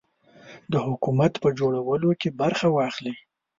د حکومت په جوړولو کې برخه واخلي.